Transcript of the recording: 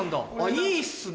いいっすね。